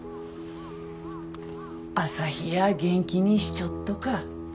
朝陽や元気にしちょっとか？